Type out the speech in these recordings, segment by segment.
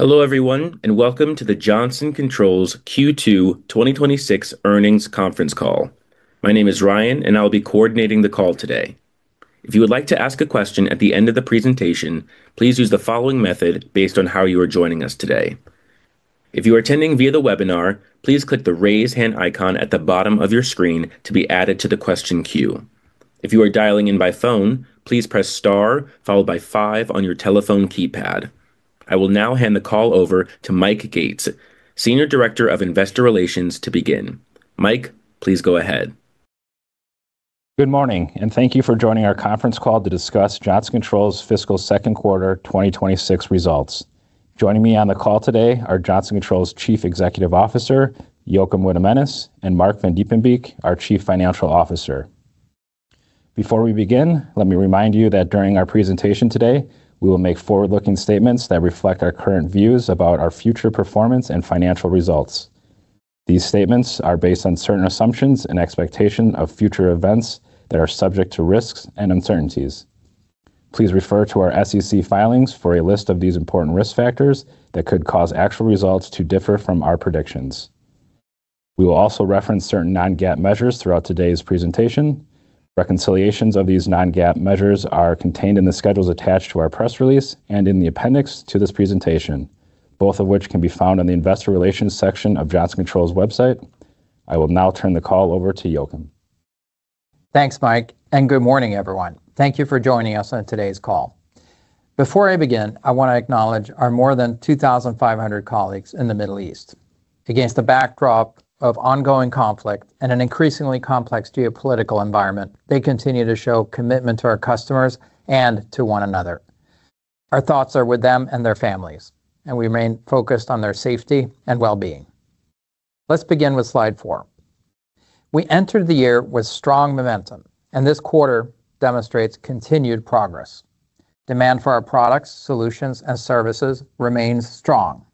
Hello, everyone, and welcome to the Johnson Controls Q2 2026 Earnings Conference Call. My name is Ryan, and I will be coordinating the call today. If you would like to ask a question at the end of the presentation, please use the following method based on how you are joining us today. If you are attending via the webinar, please click the Raise Hand icon at the bottom of your screen to be added to the question queue. If you are dialing in by phone, please press star followed by five on your telephone keypad. I will now hand the call over to Mike Gates, Senior Director of Investor Relations, to begin. Mike, please go ahead. Good morning, thank you for joining our conference call to discuss Johnson Controls Fiscal Second Quarter 2026 Results. Joining me on the call today are Johnson Controls Chief Executive Officer Joakim Weidemanis, and Marc Vandiepenbeeck our Chief Financial Officer. Before we begin, let me remind you that during our presentation today, we will make forward-looking statements that reflect our current views about our future performance and financial results. These statements are based on certain assumptions and expectation of future events that are subject to risks and uncertainties. Please refer to our SEC filings for a list of these important risk factors that could cause actual results to differ from our predictions. We will also reference certain non-GAAP measures throughout today's presentation. Reconciliations of these non-GAAP measures are contained in the schedules attached to our press release and in the appendix to this presentation, both of which can be found on the investor relations section of Johnson Controls website. I will now turn the call over to Joakim. Thanks, Mike. Good morning, everyone. Thank you for joining us on today's call. Before I begin, I want to acknowledge our more than 2,500 colleagues in the Middle East. Against the backdrop of ongoing conflict and an increasingly complex geopolitical environment, they continue to show commitment to our customers and to one another. Our thoughts are with them and their families, and we remain focused on their safety and well-being. Let's begin with slide four. We entered the year with strong momentum, and this quarter demonstrates continued progress. Demand for our products, solutions, and services remains strong,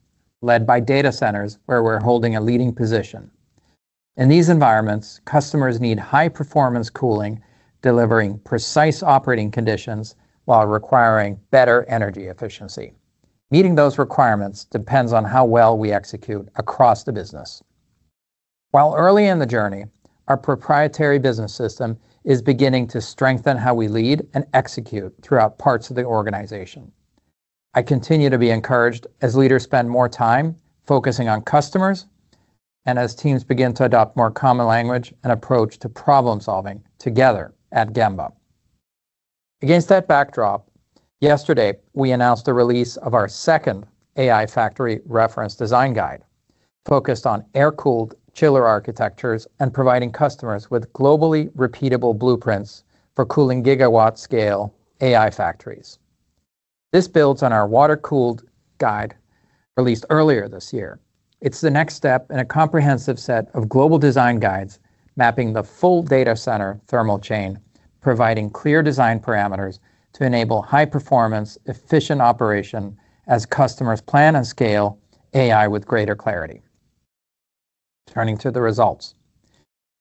led by data centers where we're holding a leading position. In these environments, customers need high-performance cooling, delivering precise operating conditions while requiring better energy efficiency. Meeting those requirements depends on how well we execute across the business. While early in the journey, our proprietary business system is beginning to strengthen how we lead and execute throughout parts of the organization. I continue to be encouraged as leaders spend more time focusing on customers and as teams begin to adopt more common language and approach to problem-solving together at Gemba. Against that backdrop, yesterday, we announced the release of our second AI factory reference design guide, focused on air-cooled chiller architectures and providing customers with globally repeatable blueprints for cooling gigawatt-scale AI factories. This builds on our water-cooled guide released earlier this year. It's the next step in a comprehensive set of global design guides mapping the full data center thermal chain, providing clear design parameters to enable high performance, efficient operation as customers plan and scale AI with greater clarity. Turning to the results.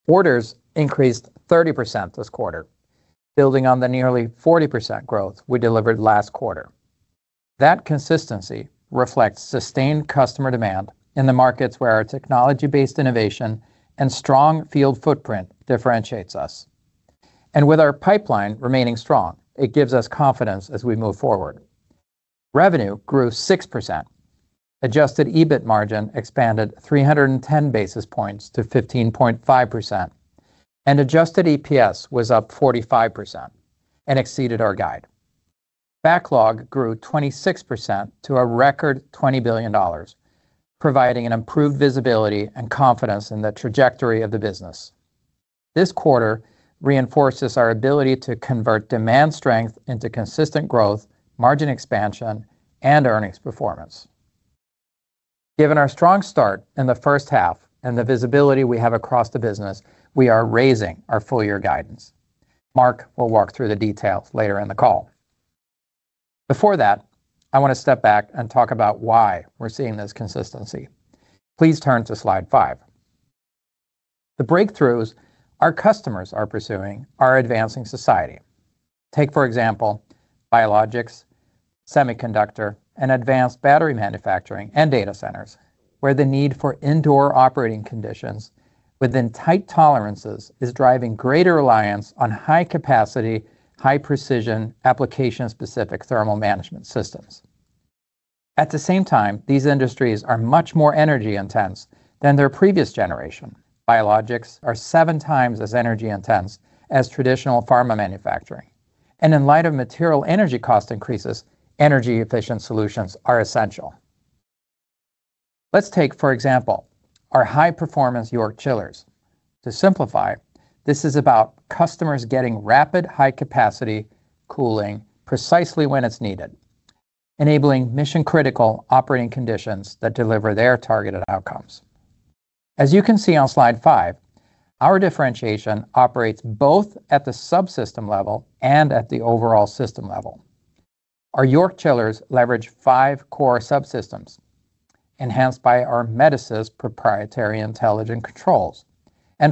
Orders increased 30% this quarter, building on the nearly 40% growth we delivered last quarter. That consistency reflects sustained customer demand in the markets where our technology-based innovation and strong field footprint differentiates us. With our pipeline remaining strong, it gives us confidence as we move forward. Revenue grew 6%. Adjusted EBIT margin expanded 310 basis points to 15.5%. Adjusted EPS was up 45% and exceeded our guide. Backlog grew 26% to a record $20 billion, providing an improved visibility and confidence in the trajectory of the business. This quarter reinforces our ability to convert demand strength into consistent growth, margin expansion, and earnings performance. Given our strong start in the first half and the visibility we have across the business, we are raising our full year guidance. Marc will walk through the details later in the call. Before that, I want to step back and talk about why we're seeing this consistency. Please turn to slide five. The breakthroughs our customers are pursuing are advancing society. Take, for example, biologics, semiconductor, and advanced battery manufacturing, and data centers, where the need for indoor operating conditions within tight tolerances is driving greater reliance on high capacity, high precision, application-specific thermal management systems. At the same time, these industries are much more energy intense than their previous generation. Biologics are seven times as energy intense as traditional pharma manufacturing. And in light of material energy cost increases, energy efficient solutions are essential. Let's take, for example, our high-performance YORK Chillers. To simplify, this is about customers getting rapid high-capacity cooling precisely when it's needed, enabling mission-critical operating conditions that deliver their targeted outcomes. As you can see on slide five, our differentiation operates both at the subsystem level and at the overall system level. Our YORK Chillers leverage five core subsystems. Enhanced by our Metasys proprietary intelligent controls,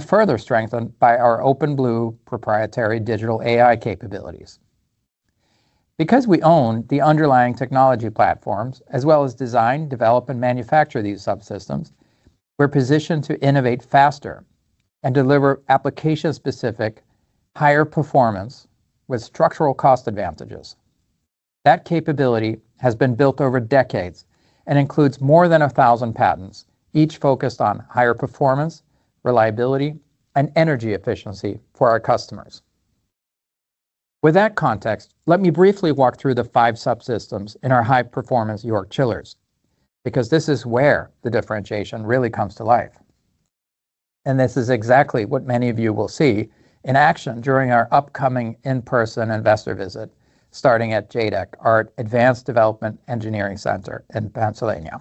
further strengthened by our OpenBlue proprietary digital AI capabilities. Because we own the underlying technology platforms, as well as design, develop, and manufacture these subsystems, we're positioned to innovate faster and deliver application-specific higher performance with structural cost advantages. That capability has been built over decades and includes more than 1,000 patents, each focused on higher performance, reliability, and energy efficiency for our customers. With that context, let me briefly walk through the five subsystems in our high-performance YORK chillers, because this is where the differentiation really comes to life. This is exactly what many of you will see in action during our upcoming in-person investor visit starting at JADEC, our Advanced Development Engineering Center in Pennsylvania.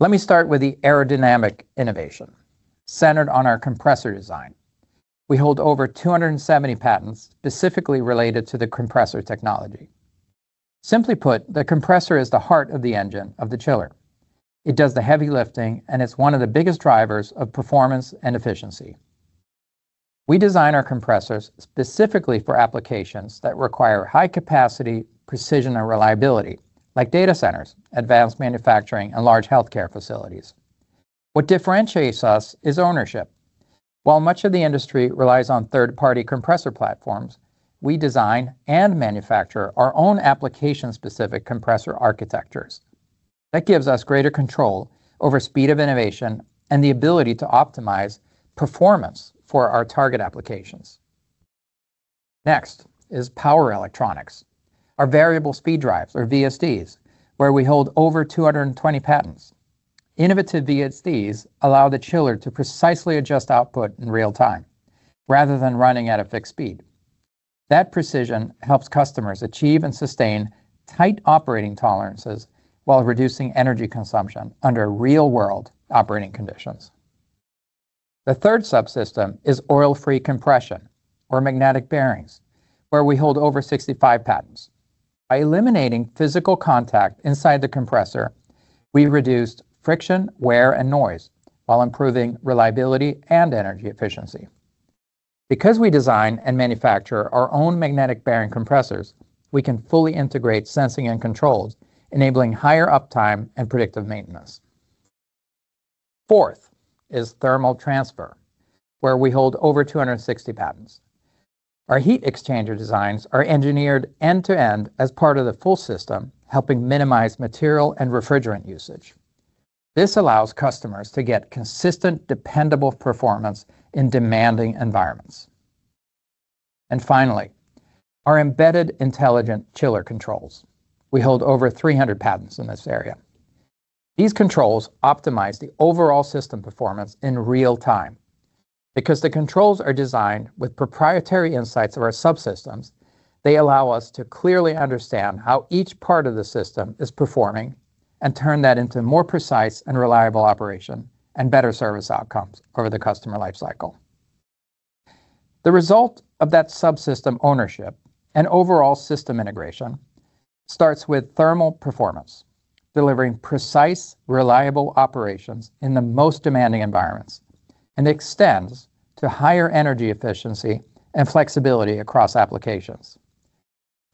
Let me start with the aerodynamic innovation centered on our compressor design. We hold over 270 patents specifically related to the compressor technology. Simply put, the compressor is the heart of the engine of the chiller. It does the heavy lifting, and it's one of the biggest drivers of performance and efficiency. We design our compressors specifically for applications that require high capacity, precision, and reliability, like data centers, advanced manufacturing, and large healthcare facilities. What differentiates us is ownership. While much of the industry relies on third-party compressor platforms, we design and manufacture our own application-specific compressor architectures. That gives us greater control over speed of innovation and the ability to optimize performance for our target applications. Next is power electronics. Our variable speed drives, or VSDs, where we hold over 220 patents. Innovative VSDs allow the chiller to precisely adjust output in real time rather than running at a fixed speed. That precision helps customers achieve and sustain tight operating tolerances while reducing energy consumption under real-world operating conditions. The third subsystem is oil-free compression or magnetic bearings, where we hold over 65 patents. By eliminating physical contact inside the compressor, we reduced friction, wear, and noise while improving reliability and energy efficiency. Because we design and manufacture our own magnetic bearing compressors, we can fully integrate sensing and controls, enabling higher uptime and predictive maintenance. Fourth is thermal transfer, where we hold over 260 patents. Our heat exchanger designs are engineered end to end as part of the full system, helping minimize material and refrigerant usage. This allows customers to get consistent, dependable performance in demanding environments. Finally, our embedded intelligent chiller controls. We hold over 300 patents in this area. These controls optimize the overall system performance in real time. Because the controls are designed with proprietary insights of our subsystems, they allow us to clearly understand how each part of the system is performing and turn that into more precise and reliable operation and better service outcomes over the customer life cycle. The result of that subsystem ownership and overall system integration starts with thermal performance, delivering precise, reliable operations in the most demanding environments and extends to higher energy efficiency and flexibility across applications.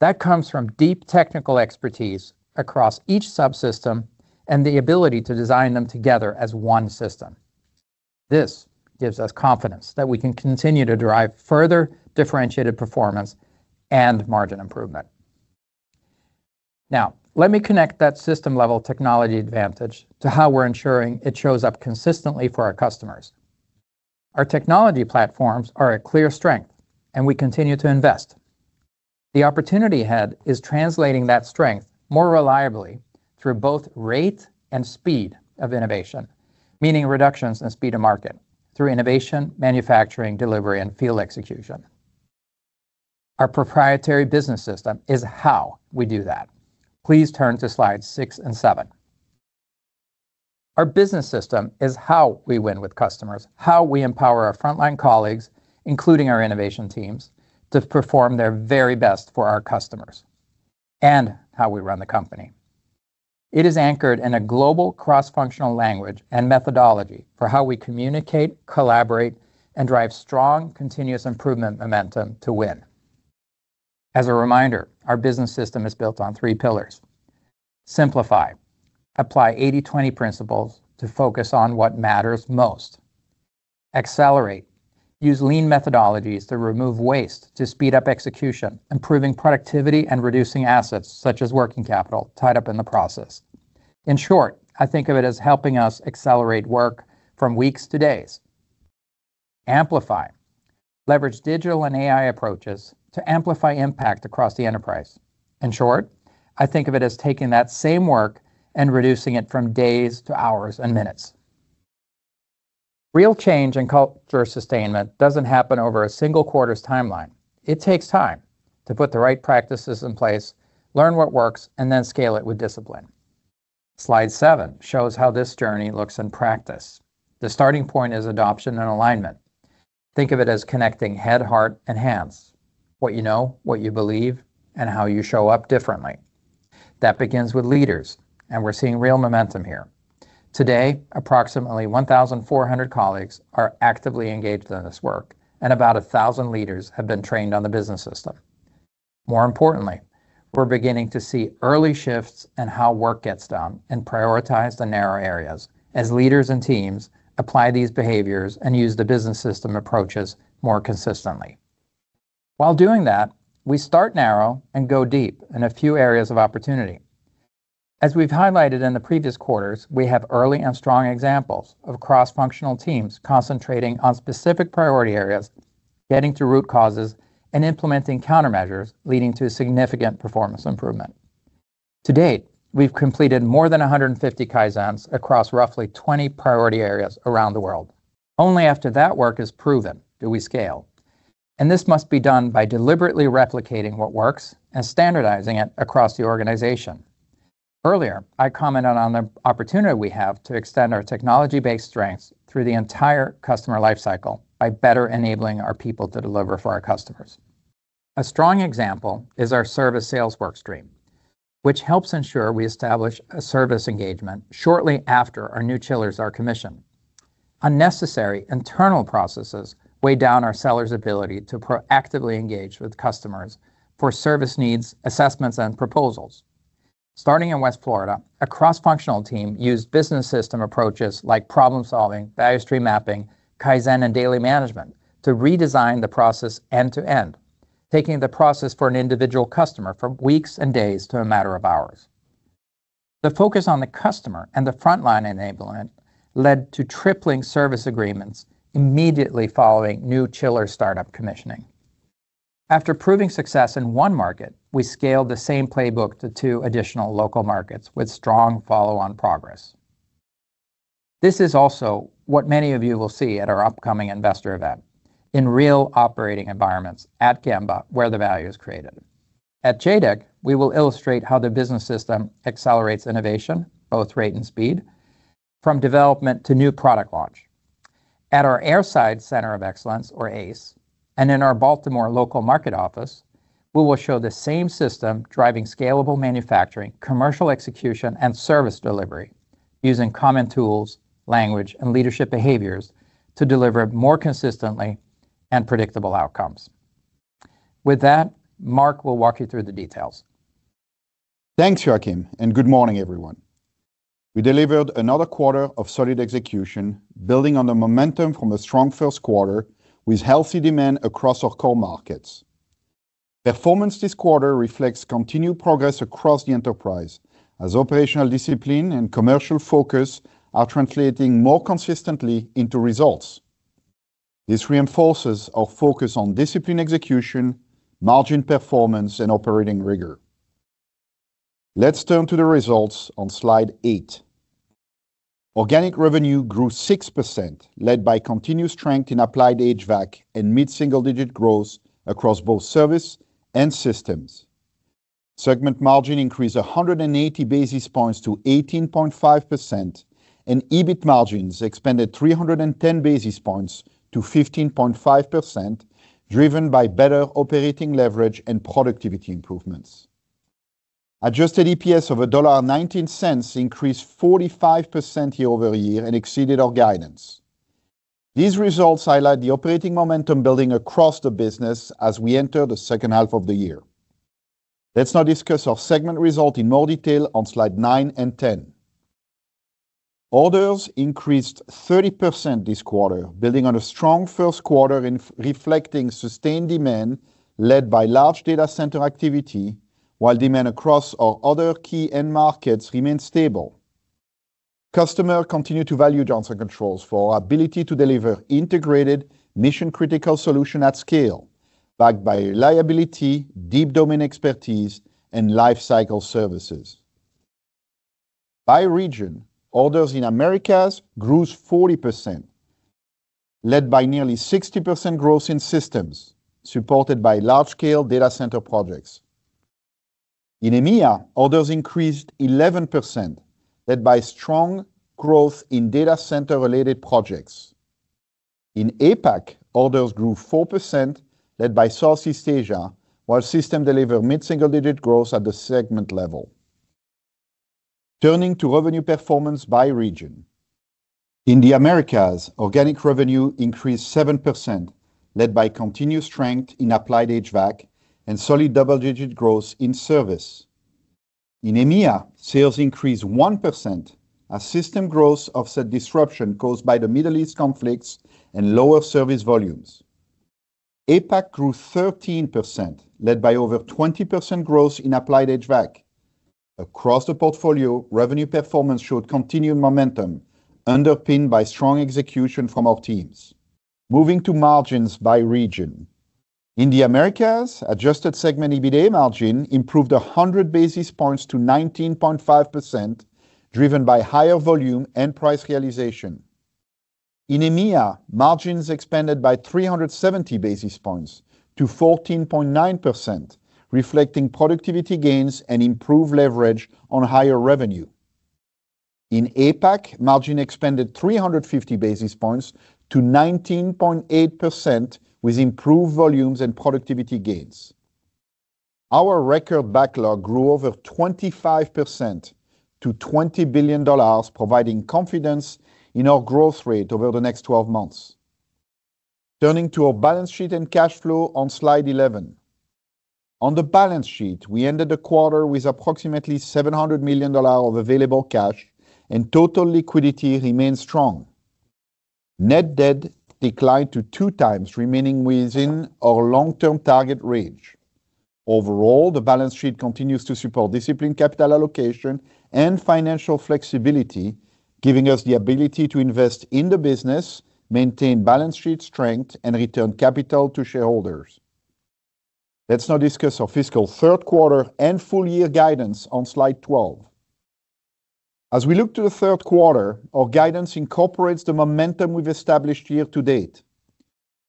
That comes from deep technical expertise across each subsystem and the ability to design them together as one system. This gives us confidence that we can continue to drive further differentiated performance and margin improvement. Let me connect that system-level technology advantage to how we're ensuring it shows up consistently for our customers. Our technology platforms are a clear strength. We continue to invest. The opportunity ahead is translating that strength more reliably through both rate and speed of innovation, meaning reductions in speed to market through innovation, manufacturing, delivery, and field execution. Our proprietary business system is how we do that. Please turn to slides six and seven Our business system is how we win with customers, how we empower our frontline colleagues, including our innovation teams, to perform their very best for our customers and how we run the company. It is anchored in a global cross-functional language and methodology for how we communicate, collaborate, and drive strong, continuous improvement momentum to win. As a reminder, our business system is built on three pillars. Simplify. Apply 80/20 principles to focus on what matters most. Accelerate. Use lean methodologies to remove waste to speed up execution, improving productivity and reducing assets such as working capital tied up in the process. In short, I think of it as helping us accelerate work from weeks to days. Amplify. Leverage digital and AI approaches to amplify impact across the enterprise. In short, I think of it as taking that same work and reducing it from days to hours and minutes. Real change and culture sustainment doesn't happen over a single quarter's timeline. It takes time to put the right practices in place, learn what works, and then scale it with discipline. Slide seven shows how this journey looks in practice. The starting point is adoption and alignment. Think of it as connecting head, heart, and hands. What you know, what you believe, and how you show up differently. That begins with leaders, and we're seeing real momentum here. Today, approximately 1,400 colleagues are actively engaged in this work, and about 1,000 leaders have been trained on the business system. More importantly, we're beginning to see early shifts in how work gets done and prioritize the narrow areas as leaders and teams apply these behaviors and use the business system approaches more consistently. While doing that, we start narrow and go deep in a few areas of opportunity. As we've highlighted in the previous quarters, we have early and strong examples of cross-functional teams concentrating on specific priority areas, getting to root causes, and implementing countermeasures leading to significant performance improvement. To date, we've completed more than 150 Kaizens across roughly 20 priority areas around the world. Only after that work is proven do we scale, and this must be done by deliberately replicating what works and standardizing it across the organization. Earlier, I commented on the opportunity we have to extend our technology-based strengths through the entire customer life cycle by better enabling our people to deliver for our customers. A strong example is our service sales work stream, which helps ensure we establish a service engagement shortly after our new chillers are commissioned. Unnecessary internal processes weigh down our sellers' ability to proactively engage with customers for service needs, assessments, and proposals. Starting in West Florida, a cross-functional team used business system approaches like problem-solving, value stream mapping, Kaizen, and daily management to redesign the process end to end, taking the process for an individual customer from weeks and days to a matter of hours. The focus on the customer and the frontline enablement led to tripling service agreements immediately following new chiller startup commissioning. After proving success in one market, we scaled the same playbook to two additional local markets with strong follow-on progress. This is also what many of you will see at our upcoming investor event in real operating environments at Gemba where the value is created. At JADEC, we will illustrate how the business system accelerates innovation, both rate and speed, from development to new product launch. At our Airside Center of Excellence, or ACE, and in our Baltimore local market office, we will show the same system driving scalable manufacturing, commercial execution, and service delivery using common tools, language, and leadership behaviors to deliver more consistently and predictable outcomes. With that, Marc will walk you through the details. Thanks, Joakim. Good morning, everyone. We delivered another quarter of solid execution building on the momentum from a strong first quarter with healthy demand across our core markets. Performance this quarter reflects continued progress across the enterprise as operational discipline and commercial focus are translating more consistently into results. This reinforces our focus on discipline execution, margin performance, and operating rigor. Let's turn to the results on slide 8. Organic revenue grew 6%, led by continuous strength in applied HVAC and mid-single digit growth across both service and systems. Segment margin increased 180 basis points to 18.5%, and EBIT margins expanded 310 basis points to 15.5%, driven by better operating leverage and productivity improvements. Adjusted EPS of $1.19 increased 45% year-over-year and exceeded our guidance. These results highlight the operating momentum building across the business as we enter the second half of the year. Let's now discuss our segment results in more detail on slide nine and 10. Orders increased 30% this quarter, building on a strong first quarter, reflecting sustained demand led by large data center activity, while demand across our other key end markets remained stable. Customers continue to value Johnson Controls for our ability to deliver integrated mission-critical solutions at scale, backed by reliability, deep domain expertise, and life cycle services. By region, orders in Americas grew 40%, led by nearly 60% growth in systems, supported by large-scale data center projects. In EMEA, orders increased 11%, led by strong growth in data center-related projects. In APAC, orders grew 4%, led by Southeast Asia, while systems delivered mid-single digit growth at the segment level. Turning to revenue performance by region. In the Americas, organic revenue increased 7%, led by continued strength in applied HVAC and solid double-digit growth in service. In EMEA, sales increased 1% as system growth offset disruption caused by the Middle East conflicts and lower service volumes. APAC grew 13%, led by over 20% growth in applied HVAC. Across the portfolio, revenue performance showed continued momentum underpinned by strong execution from our teams. Moving to margins by region. In the Americas, adjusted segment EBITA margin improved 100 basis points to 19.5%, driven by higher volume and price realization. In EMEA, margins expanded by 370 basis points to 14.9%, reflecting productivity gains and improved leverage on higher revenue. In APAC margin expanded 350 basis points to 19.8% with improved volumes and productivity gains. Our record backlog grew over 25% to $20 billion, providing confidence in our growth rate over the next 12 months. Turning to our balance sheet and cash flow on slide 11. On the balance sheet, we ended the quarter with approximately $700 million of available cash and total liquidity remains strong. Net debt declined to 2x, remaining within our long-term target range. Overall, the balance sheet continues to support disciplined capital allocation and financial flexibility, giving us the ability to invest in the business, maintain balance sheet strength, and return capital to shareholders. Let's now discuss our fiscal third quarter and full year guidance on slide 12. As we look to the third quarter, our guidance incorporates the momentum we've established year to date.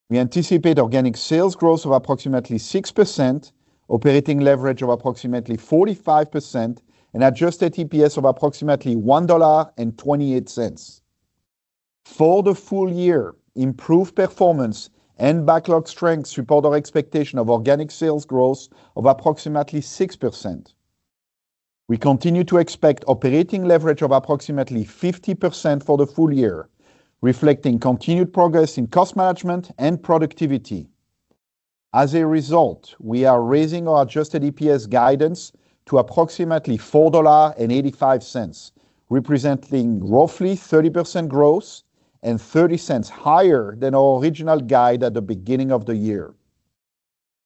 We anticipate organic sales growth of approximately 6%, operating leverage of approximately 45%, and adjusted EPS of approximately $1.28. For the full year, improved performance and backlog strength support our expectation of organic sales growth of approximately 6%. We continue to expect operating leverage of approximately 50% for the full year, reflecting continued progress in cost management and productivity. As a result, we are raising our adjusted EPS guidance to approximately $4.85, representing roughly 30% growth and $0.30 higher than our original guide at the beginning of the year.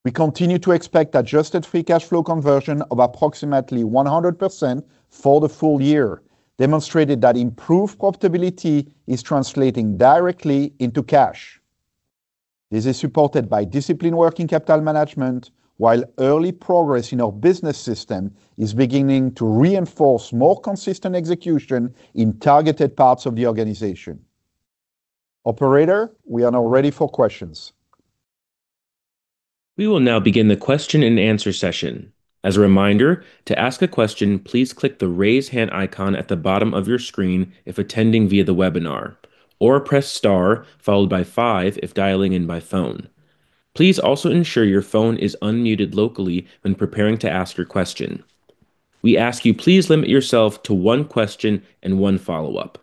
We continue to expect adjusted free cash flow conversion of approximately 100% for the full year, demonstrating that improved profitability is translating directly into cash. This is supported by disciplined working capital management, while early progress in our business system is beginning to reinforce more consistent execution in targeted parts of the organization. Operator, we are now ready for questions. We will now begin the question and answer session. As a reminder, to ask a question, please click the Raise Hand icon at the bottom of your screen if attending via the webinar, or press star followed by five if dialing in by phone. Please also ensure your phone is unmuted locally when preparing to ask your question. We ask you please limit yourself to one question and one follow-up.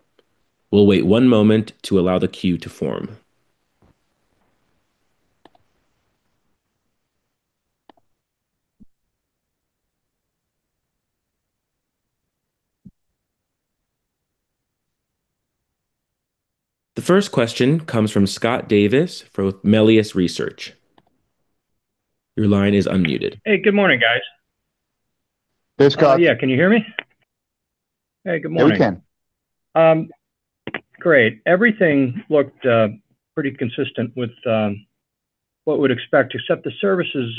We'll wait one moment to allow the queue to form. The first question comes from Scott Davis from Melius Research. Your line is unmuted. Hey, good morning, guys. Hey, Scott. Yeah, can you hear me? Hey, good morning. Yeah, we can. Great. Everything looked pretty consistent with what we'd expect, except the services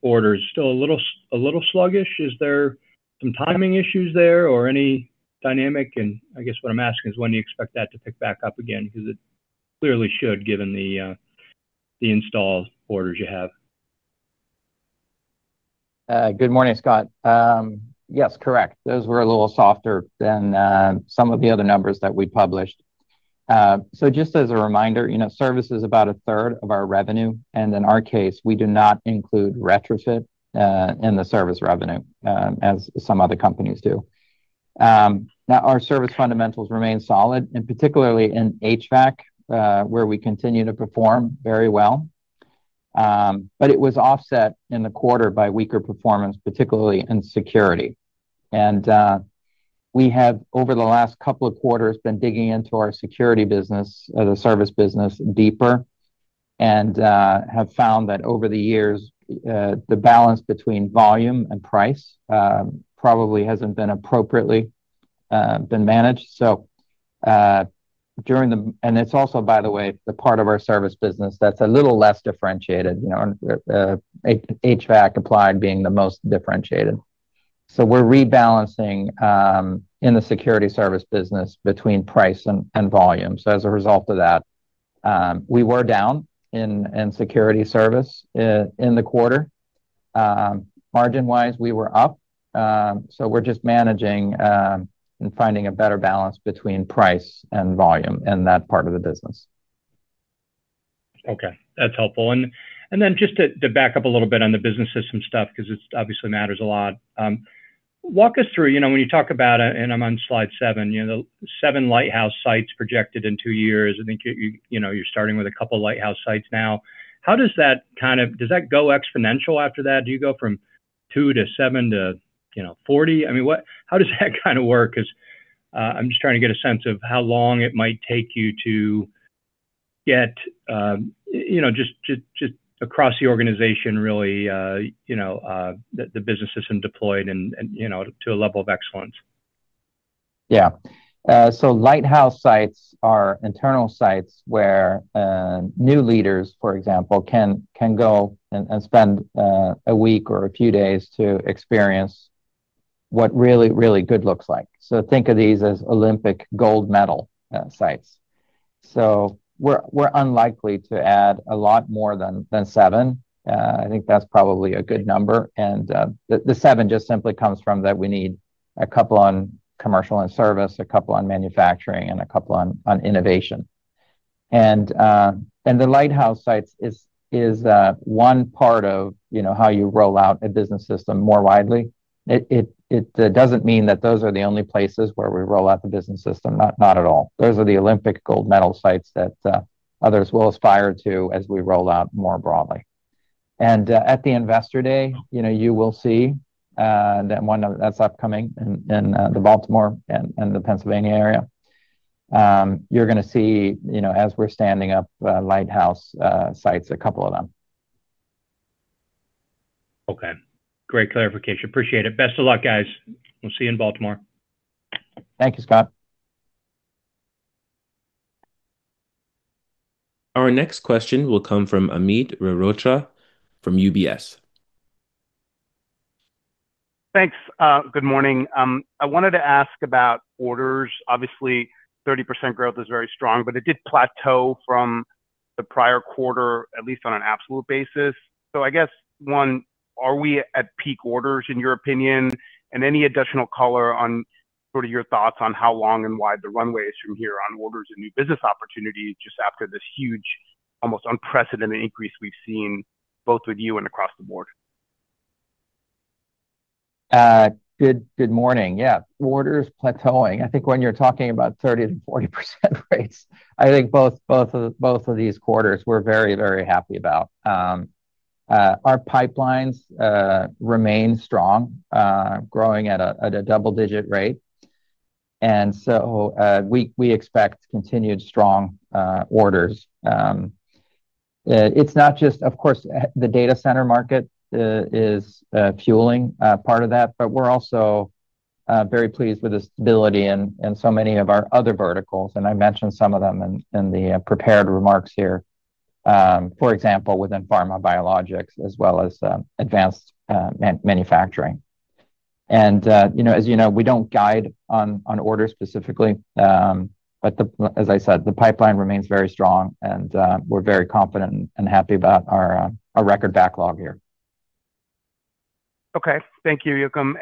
orders still a little sluggish. Is there some timing issues there or any dynamic? I guess what I'm asking is when do you expect that to pick back up again? It clearly should, given the install orders you have. Good morning, Scott. Yes, correct. Those were a little softer than some of the other numbers that we published. Just as a reminder, you know, service is about a third of our revenue, and in our case, we do not include retrofit in the service revenue, as some other companies do. Our service fundamentals remain solid, particularly in HVAC, where we continue to perform very well. It was offset in the quarter by weaker performance, particularly in security. We have, over the last couple of quarters, been digging into our security business, the service business deeper, and have found that over the years, the balance between volume and price, probably hasn't been appropriately managed. And it's also, by the way, the part of our service business that's a little less differentiated, you know, and the HVAC applied being the most differentiated. We're rebalancing in the security service business between price and volume. As a result of that, we were down in security service in the quarter. Margin-wise, we were up. We're just managing and finding a better balance between price and volume in that part of the business. Okay. That's helpful. Then just to back up a little bit on the business system stuff, because it obviously matters a lot. Walk us through, you know, when you talk about, and I'm on slide seven, you know, the seven lighthouse sites projected in two years. I think you know, you're starting with a couple lighthouse sites now. How does that go exponential after that? Do you go from two to seven to, you know, 40? I mean, how does that kind of work? Because I'm just trying to get a sense of how long it might take you to get, you know, just across the organization really, you know, the business system deployed and, you know, to a level of excellence. Yeah, so lighthouse sites are internal sites where new leaders, for example, can go and spend one week or a few days to experience what really, really good looks like. Think of these as Olympic gold medal sites. So we're unlikely to add a lot more than seven I think that's probably a good number. The seven just simply comes from that we need two on commercial and service, two on manufacturing, and two on innovation. The lighthouse sites is one part of, you know, how you roll out a business system more widely. It doesn't mean that those are the only places where we roll out the business system. Not at all. Those are the Olympic gold medal sites that others will aspire to as we roll out more broadly. At the Investor Day, you know, you will see that one that's upcoming in the Baltimore and the Pennsylvania area. You're gonna see, you know, as we're standing up, lighthouse sites, a couple of them. Okay. Great clarification. Appreciate it. Best of luck, guys. We'll see you in Baltimore. Thank you, Scott. Our next question will come from Amit Mehrotra from UBS. Thanks. Good morning. I wanted to ask about orders. Obviously, 30% growth is very strong, but it did plateau from the prior quarter, at least on an absolute basis. I guess, one, are we at peak orders in your opinion? Any additional color on sort of your thoughts on how long and wide the runway is from here on orders and new business opportunities just after this huge, almost unprecedented increase we've seen both with you and across the board? Good morning. Orders plateauing. I think when you're talking about 30%-40% rates, I think both of these quarters we're very, very happy about. Our pipelines remain strong, growing at a double-digit rate. We expect continued strong orders. Of course, the data center market is fueling part of that, but we're also very pleased with the stability in so many of our other verticals, and I mentioned some of them in the prepared remarks here, for example, within pharma biologics as well as advanced manufacturing. You know, as you know, we don't guide on orders specifically. As I said, the pipeline remains very strong and, we're very confident and happy about our record backlog here. Okay. Thank you, Joakim.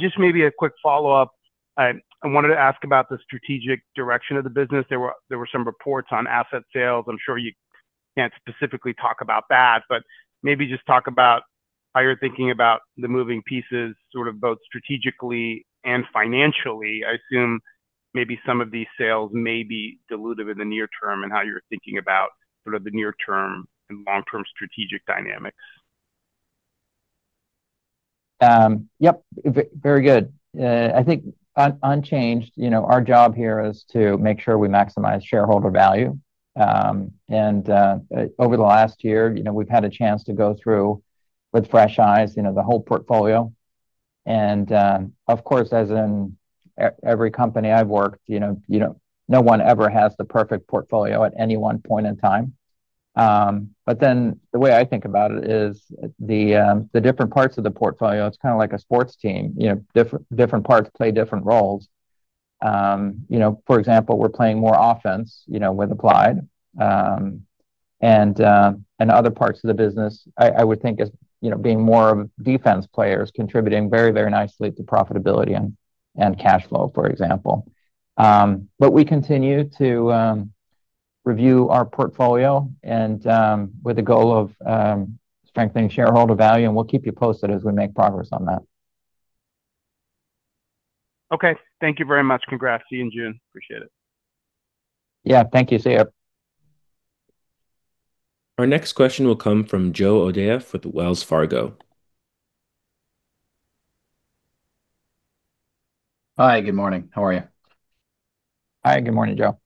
Just maybe a quick follow-up. I wanted to ask about the strategic direction of the business. There were some reports on asset sales. I'm sure you can't specifically talk about that. Maybe just talk about how you're thinking about the moving pieces sort of both strategically and financially. I assume maybe some of these sales may be dilutive in the near term and how you're thinking about sort of the near term and long-term strategic dynamics. Yep. Very good. I think unchanged, you know, our job here is to make sure we maximize shareholder value. Over the last year, you know, we've had a chance to go through with fresh eyes, you know, the whole portfolio. Of course, as in every company I've worked, you know, no one ever has the perfect portfolio at any one point in time. The way I think about it is the different parts of the portfolio, it's kinda like a sports team. You know, different parts play different roles. You know, for example, we're playing more offense, you know, with Applied. Other parts of the business, I would think as, you know, being more of defense players contributing very nicely to profitability and cash flow, for example. We continue to review our portfolio and with the goal of strengthening shareholder value, and we'll keep you posted as we make progress on that. Okay. Thank you very much. Congrats. See you in June. Appreciate it. Yeah. Thank you. See ya. Our next question will come from Joe O'Dea for the Wells Fargo. Hi. Good morning. How are you? Hi. Good morning, Joe.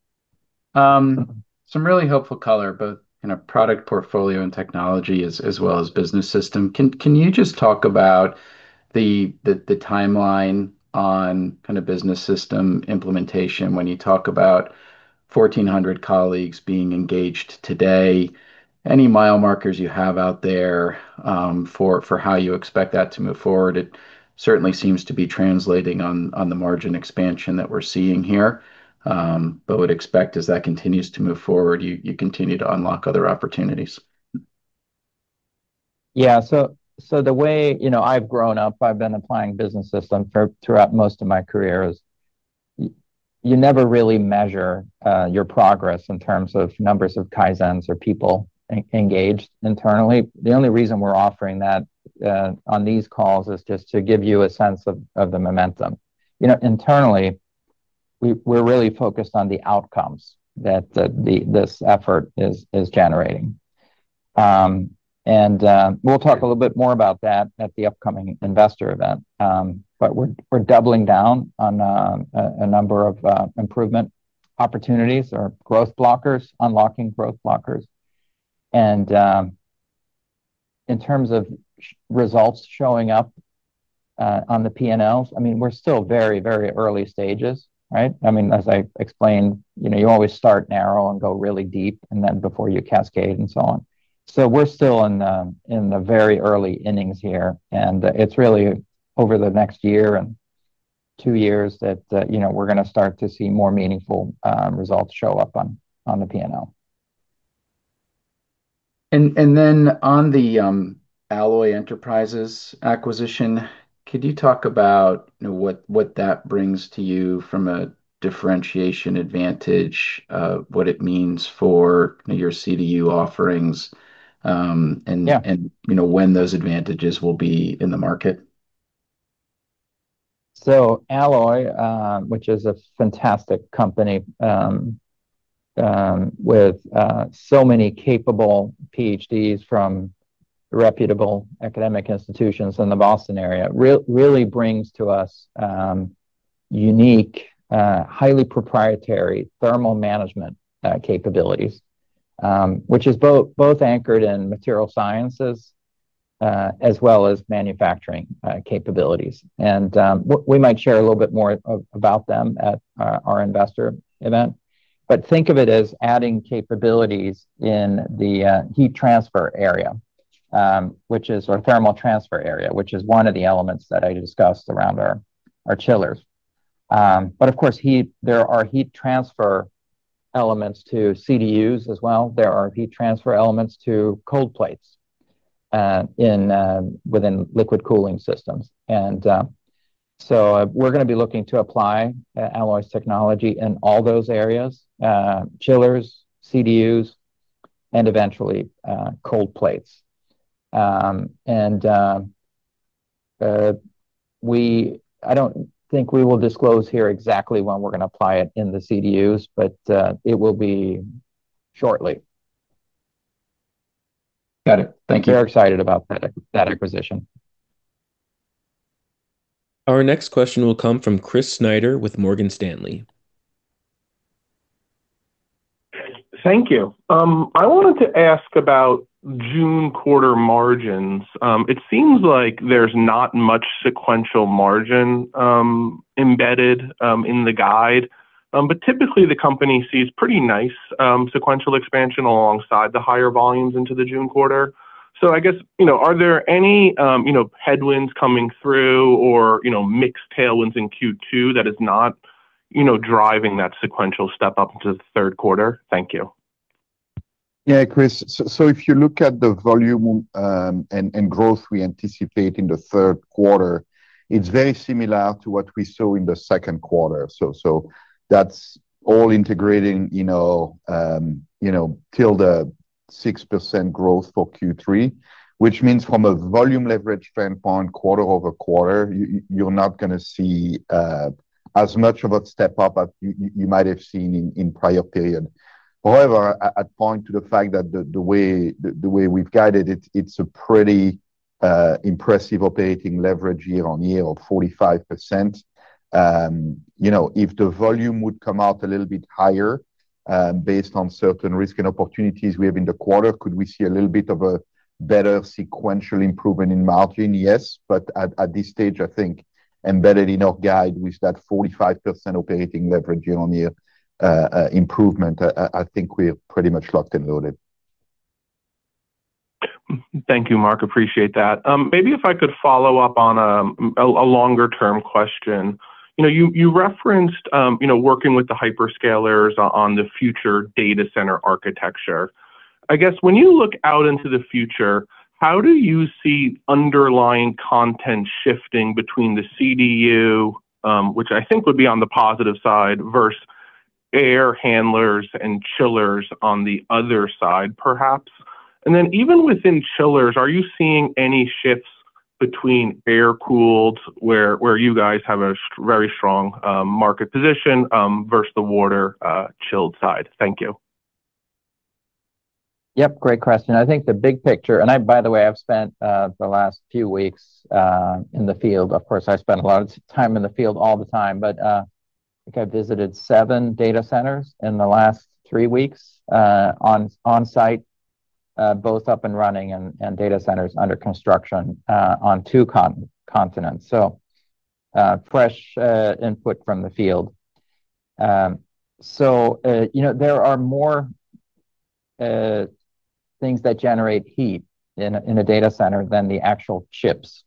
Some really helpful color, both in a product portfolio and technology as well as business system. Can you just talk about the timeline on kind of business system implementation when you talk about 1,400 colleagues being engaged today? Any mile markers you have out there for how you expect that to move forward? It certainly seems to be translating on the margin expansion that we're seeing here. Would expect as that continues to move forward, you continue to unlock other opportunities. Yeah. The way, you know, I've grown up, I've been applying business system throughout most of my career is you never really measure your progress in terms of numbers of Kaizens or people engaged internally. The only reason we're offering that on these calls is just to give you a sense of the momentum. You know, internally, we're really focused on the outcomes that this effort is generating. We'll talk a little bit more about that at the upcoming investor event. We're doubling down on a number of improvement opportunities or growth blockers, unlocking growth blockers. In terms of results showing up on the P&Ls, I mean, we're still very early stages, right? I mean, as I explained, you know, you always start narrow and go really deep and then before you cascade and so on. We're still in in the very early innings here. It's really over the next year and two years that, you know, we're gonna start to see more meaningful results show up on the P&L. On the Alloy Enterprises acquisition, could you talk about, you know, what that brings to you from a differentiation advantage, what it means for your CDU offerings. Yeah You know, when those advantages will be in the market. So Alloy, which is a fantastic company, with so many capable PhDs from reputable academic institutions in the Boston area, really brings to us unique, highly proprietary thermal management capabilities. Which is both anchored in material sciences, as well as manufacturing capabilities. We might share a little bit more about them at our investor event. Think of it as adding capabilities in the heat transfer area, which is our thermal transfer area, which is one of the elements that I discussed around our chillers. Of course heat, there are heat transfer elements to CDUs as well. There are heat transfer elements to cold plates in within liquid cooling systems. We're gonna be looking to apply Alloy's technology in all those areas, chillers, CDUs, and eventually, cold plates. I don't think we will disclose here exactly when we're gonna apply it in the CDUs, but it will be shortly. Got it. Thank you. We are excited about that acquisition. Our next question will come from Chris Snyder with Morgan Stanley. Thank you. I wanted to ask about June quarter margins. It seems like there's not much sequential margin embedded in the guide. Typically the company sees pretty nice sequential expansion alongside the higher volumes into the June quarter. I guess, you know, are there any, you know, headwinds coming through or, you know, mixed tailwinds in Q2 that is not, you know, driving that sequential step up into the third quarter? Thank you. Yeah, Chris. If you look at the volume, and growth we anticipate in the third quarter, it's very similar to what we saw in the second quarter. That's all integrating, you know, you know, till the 6% growth for Q3. Which means from a volume leverage standpoint quarter-over-quarter, you're not gonna see as much of a step up as you might have seen in prior period. However, I'd point to the fact that the way we've guided it's a pretty impressive operating leverage year-on-year of 45%. You know, if the volume would come out a little bit higher, based on certain risk and opportunities we have in the quarter, could we see a little bit of a better sequential improvement in margin? Yes. At this stage, I think embedded in our guide with that 45% operating leverage year-on-year improvement, I think we're pretty much locked and loaded. Thank you, Marc. Appreciate that. Maybe if I could follow up on a longer term question. You know, you referenced, you know, working with the hyperscalers on the future data center architecture. I guess when you look out into the future, how do you see underlying content shifting between the CDU, which I think would be on the positive side, versus air handlers and chillers on the other side, perhaps? Even within chillers, are you seeing any shifts between air-cooled, where you guys have a very strong market position, versus the water chilled side? Thank you. Yep, great question. I think the big picture, and by the way, I've spent the last few weeks in the field. Of course, I spend a lot of time in the field all the time but think I visited seven data centers in the last three weeks on-site, both up and running and data centers under construction on two continents. Fresh input from the field. You know, there are more things that generate heat in a data center than the actual chips.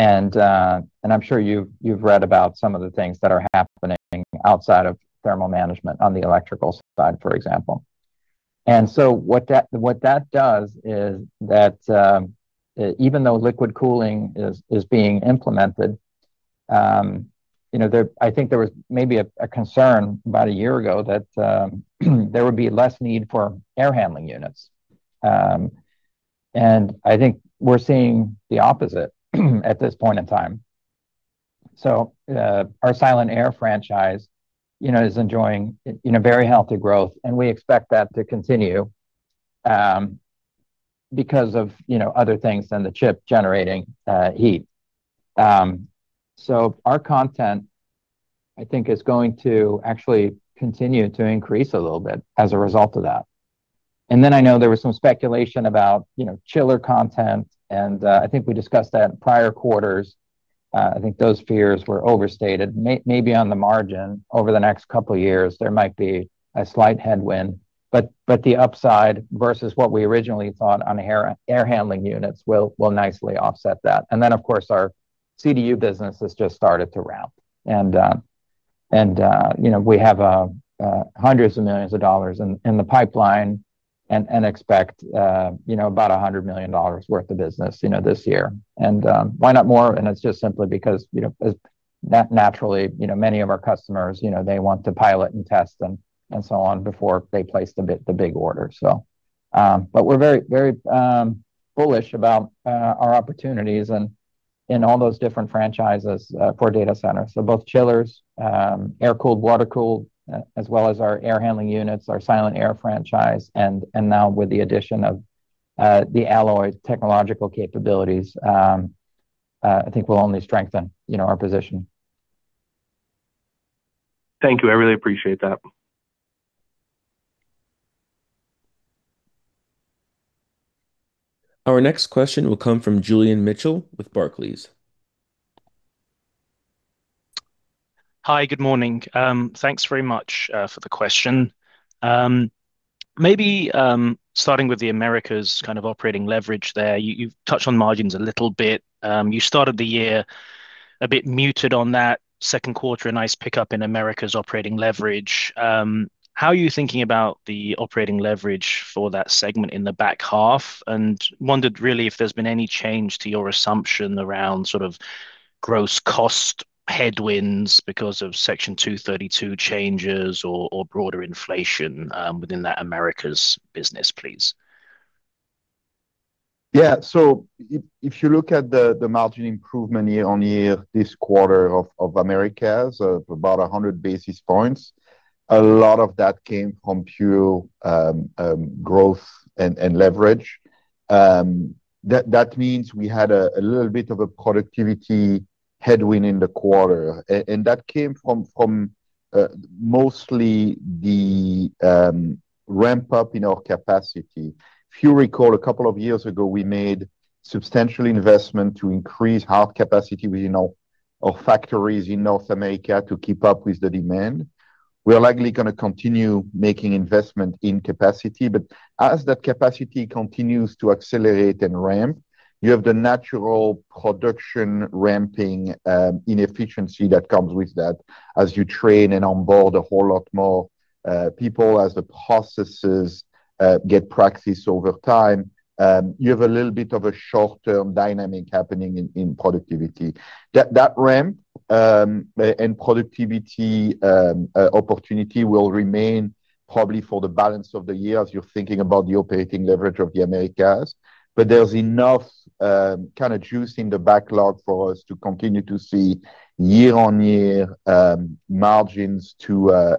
I'm sure you've read about some of the things that are happening outside of thermal management on the electrical side, for example. What that does is that, even though liquid cooling is being implemented, you know, I think there was maybe a concern about a year ago that there would be less need for air handling units. I think we're seeing the opposite at this point in time. Our Silent-Aire franchise, you know, is enjoying, you know, very healthy growth, and we expect that to continue because of, you know, other things than the chip generating heat. Our content, I think, is going to actually continue to increase a little bit as a result of that. I know there was some speculation about, you know, chiller content, and I think we discussed that in prior quarters. I think those fears were overstated. Maybe on the margin over the next couple of years there might be a slight headwind. The upside versus what we originally thought on air handling units will nicely offset that. Then of course, our CDU business has just started to ramp. You know, we have hundreds of millions of dollars in the pipeline and expect, you know, about $100 million worth of business this year. Why not more? It's just simply because, you know, as naturally, you know, many of our customers, you know, they want to pilot and test and so on before they place the big order. But we're very, very bullish about our opportunities in all those different franchises for data centers. Both chillers, air-cooled, water-cooled, as well as our air handling units, our Silent-Aire franchise, and now with the addition of the Alloy technological capabilities, I think will only strengthen, you know, our position. Thank you. I really appreciate that. Our next question will come from Julian Mitchell with Barclays. Hi. Good morning. Thanks very much for the question. Maybe, starting with the Americas kind of operating leverage there, you've touched on margins a little bit. You started the year a bit muted on that second quarter, a nice pickup in Americas operating leverage. How are you thinking about the operating leverage for that segment in the back half? Wondered really if there's been any change to your assumption around sort of gross cost headwinds because of Section 232 changes or broader inflation within that Americas business, please. If you look at the margin improvement year on year, this quarter of Americas, about 100 basis points, a lot of that came from pure growth and leverage. That means we had a little bit of a productivity headwind in the quarter. And that came from mostly the ramp up in our capacity. If you recall, a couple of years ago, we made substantial investment to increase HVAC capacity within our factories in North America to keep up with the demand. We are likely gonna continue making investment in capacity. As that capacity continues to accelerate and ramp, you have the natural production ramping inefficiency that comes with that as you train and onboard a whole lot more people. As the processes get practiced over time, you have a little bit of a short-term dynamic happening in productivity. That ramp and productivity opportunity will remain probably for the balance of the year as you're thinking about the operating leverage of the Americas. There's enough kind of juice in the backlog for us to continue to see year-on-year margins to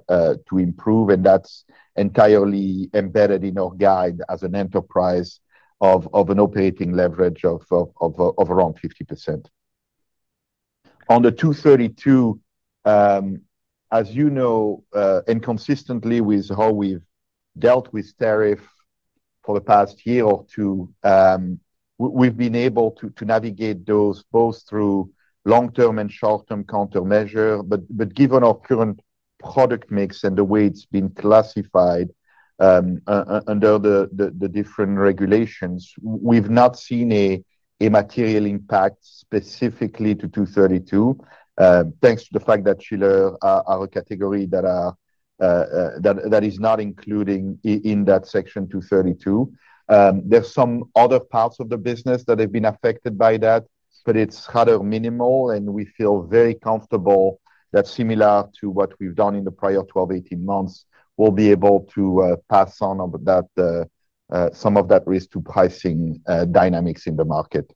improve, and that's entirely embedded in our guide as an enterprise of an operating leverage of around 50%. On the Section 232, as you know, and consistently with how we've dealt with tariff for the past year or two, we've been able to navigate those both through long-term and short-term countermeasure. Given our current product mix and the way it's been classified, under the different regulations, we've not seen a material impact specifically to 232, thanks to the fact that chillers are a category that is not including in that Section 232. There's some other parts of the business that have been affected by that, but it's kind of minimal, and we feel very comfortable that similar to what we've done in the prior 12, 18 months, we'll be able to pass on some of that risk to pricing dynamics in the market.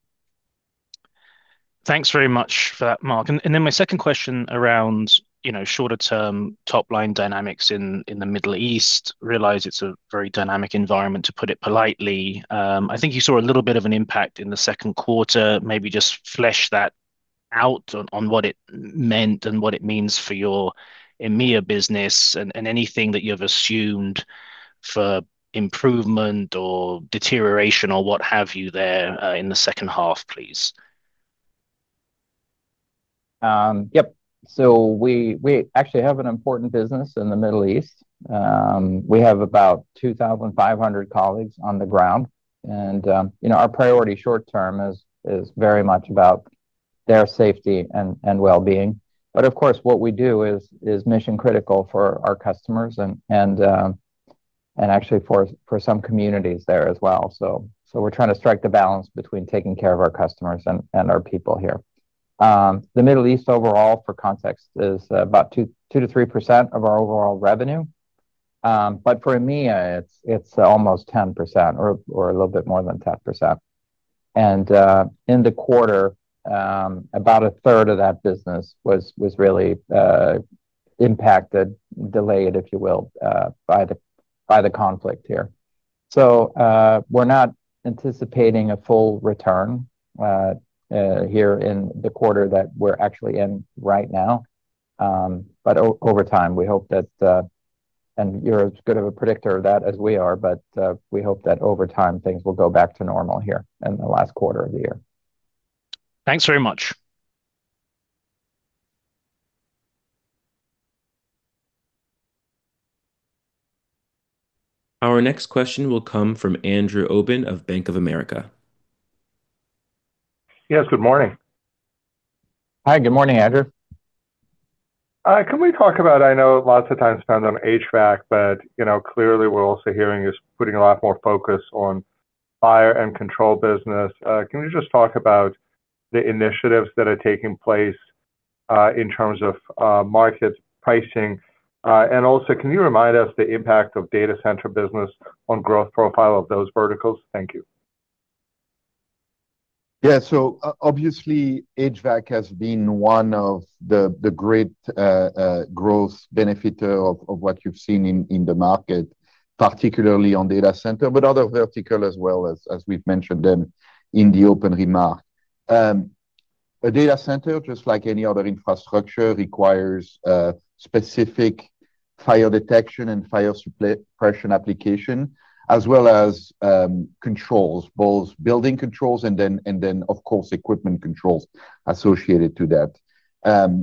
Thanks very much for that, Marc. My second question around, you know, shorter term top line dynamics in the Middle East. Realize it's a very dynamic environment, to put it politely. I think you saw a little bit of an impact in the second quarter. Maybe just flesh that out on what it meant and what it means for your EMEA business and anything that you've assumed for improvement or deterioration or what have you there in the second half, please. Yep. We actually have an important business in the Middle East. We have about 2,500 colleagues on the ground and, you know, our priority short term is very much about their safety and well-being. Of course, what we do is mission critical for our customers and actually for some communities there as well. We're trying to strike the balance between taking care of our customers and our people here. The Middle East overall, for context, is about 2%-3% of our overall revenue. For EMEA it's almost 10% or a little bit more than 10%. In the quarter, about a third of that business was really impacted, delayed, if you will, by the conflict here. We're not anticipating a full return here in the quarter that we're actually in right now. Over time, we hope that, and you're as good of a predictor of that as we are, but we hope that over time things will go back to normal here in the last quarter of the year. Thanks very much. Our next question will come from Andrew Obin of Bank of America. Yes. Good morning. Hi, good morning, Andrew. Can we talk about, I know lots of time spent on HVAC, but, you know, clearly we're also hearing is putting a lot more focus on fire and control business. Can you just talk about the initiatives that are taking place, in terms of, market pricing? Also can you remind us the impact of data center business on growth profile of those verticals? Thank you. Yeah. Obviously HVAC has been one of the great growth benefit of what you've seen in the market, particularly on data center, but other verticals as well as we've mentioned them in the open remark. A data center, just like any other infrastructure, requires specific fire detection and fire suppression application, as well as controls, both building controls and then of course equipment controls associated to that.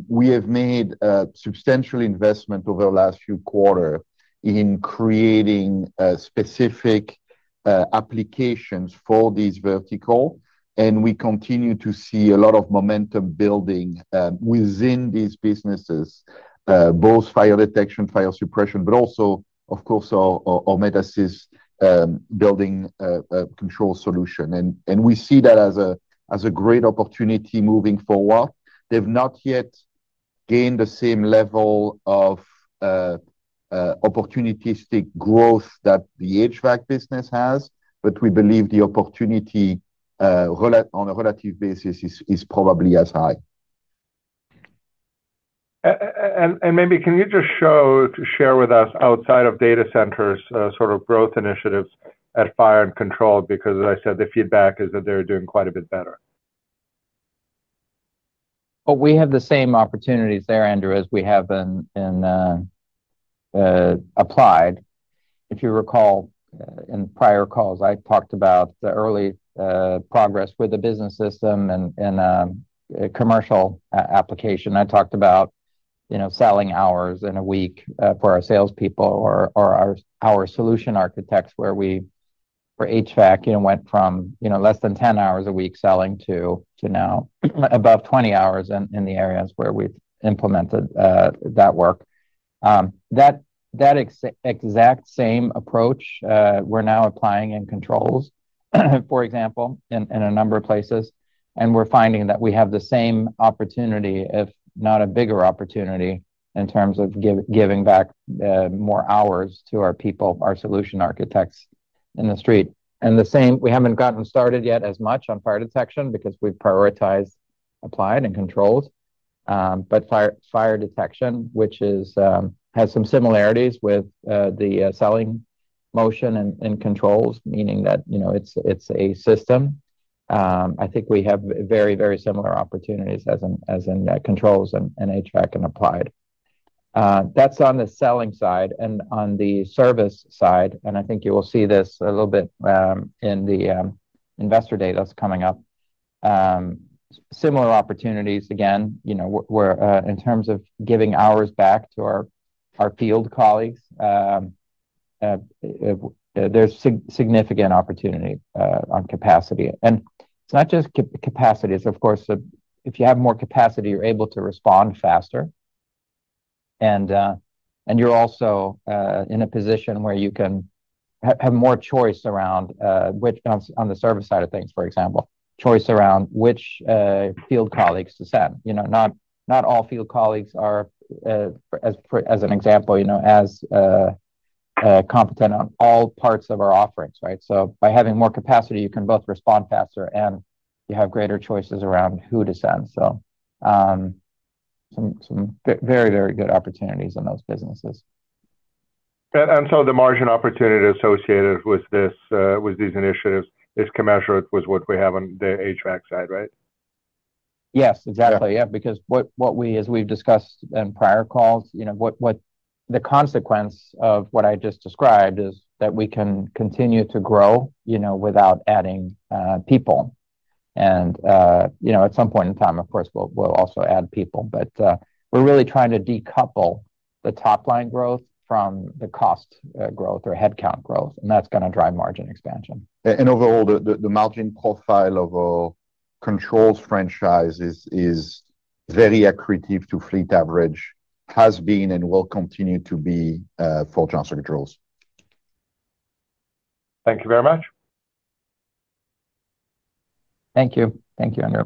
We have made a substantial investment over the last few quarters in creating specific applications for these verticals, and we continue to see a lot of momentum building within these businesses, both fire detection, fire suppression, but also of course our Metasys building control solution. We see that as a great opportunity moving forward. They've not yet gained the same level of opportunistic growth that the HVAC business has, but we believe the opportunity on a relative basis is probably as high. Maybe can you just show to share with us outside of data centers, sort of growth initiatives at fire and control, because as I said, the feedback is that they're doing quite a bit better. We have the same opportunities there, Andrew, as we have in applied. If you recall in prior calls, I talked about the early progress with the business system and commercial application. I talked about, you know, selling hours in a week for our salespeople or our solution architects where we, for HVAC, you know, went from, you know, less than 10 hours a week selling to now above 20 hours in the areas where we've implemented that work. That exact same approach, we're now applying in controls for example, in a number of places. We're finding that we have the same opportunity, if not a bigger opportunity in terms of giving back more hours to our people, our solution architects in the street. The same, we haven't gotten started yet as much on fire detection because we've prioritized applied and controls. Fire detection, which has some similarities with the selling motion and controls, meaning that, you know, it's a system. I think we have very, very similar opportunities as in, as in controls and HVAC and applied. That's on the selling side and on the service side, I think you will see this a little bit in the investor data that's coming up. Similar opportunities again, you know, where in terms of giving hours back to our field colleagues. There's significant opportunity on capacity. It's not just capacity. It's of course, if you have more capacity, you're able to respond faster. You're also in a position where you can have more choice around which on the service side of things, for example, choice around which field colleagues to send. You know, not all field colleagues are as an example, you know, as competent on all parts of our offerings, right? By having more capacity, you can both respond faster, and you have greater choices around who to send. Some very, very good opportunities in those businesses. The margin opportunity associated with this, with these initiatives is commensurate with what we have on the HVAC side, right? Yes. Exactly. Yeah. Because what we, as we've discussed in prior calls, you know, what the consequence of what I just described is that we can continue to grow, you know, without adding people. You know, at some point in time, of course, we'll also add people. We're really trying to decouple the top line growth from the cost growth or headcount growth, and that's gonna drive margin expansion. Overall, the margin profile of our controls franchise is very accretive to fleet average, has been and will continue to be for Johnson Controls. Thank you very much. Thank you. Thank you, Andrew.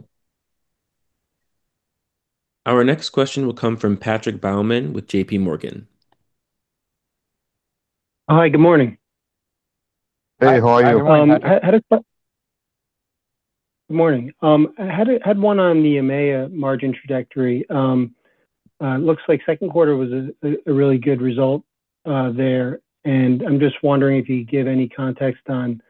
Our next question will come from Patrick Baumann with J.P. Morgan. Hi, good morning. Hey, how are you? Hi. Good morning, Patrick. Good morning. I had one on the EMEA margin trajectory. Looks like second quarter was a really good result there. I'm just wondering if you could give any context on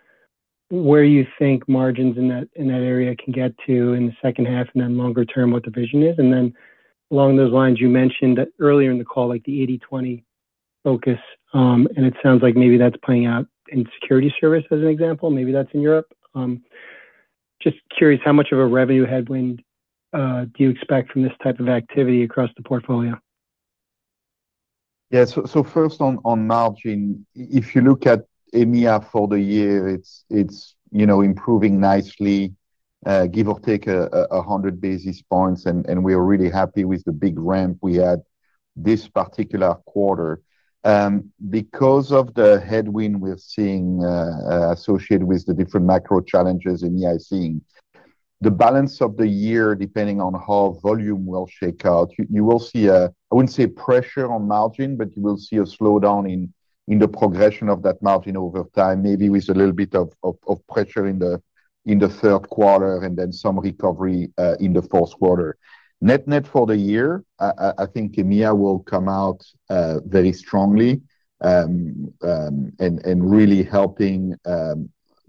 where you think margins in that area can get to in the second half and then longer term, what the vision is. Along those lines, you mentioned earlier in the call, like the 80/20 focus. It sounds like maybe that's playing out in security service as an example. Maybe that's in Europe. Just curious, how much of a revenue headwind do you expect from this type of activity across the portfolio? Yeah. First on margin, if you look at EMEA for the year, it's, you know, improving nicely, give or take a 100 basis points. We are really happy with the big ramp we had this particular quarter. Because of the headwind we're seeing associated with the different macro challenges in the IC, the balance of the year, depending on how volume will shake out, you will see I wouldn't say pressure on margin, but you will see a slowdown in the progression of that margin over time, maybe with a little bit of pressure in the third quarter and then some recovery in the fourth quarter. Net-net for the year, I think EMEA will come out very strongly and really helping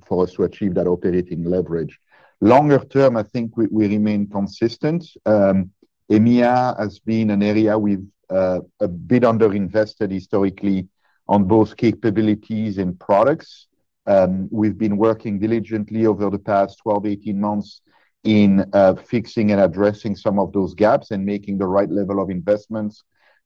for us to achieve that operating leverage. Longer term, I think we remain consistent. EMEA has been an area with a bit under-invested historically on both capabilities and products. We've been working diligently over the past 12, 18 months in fixing and addressing some of those gaps and making the right level of investments